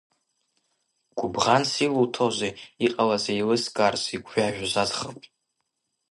Гәыбӷанс илуҭози, иҟалаз еилызкаарц игәжәажәоз аӡӷаб?